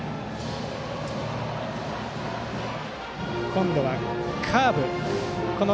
今度はカーブから。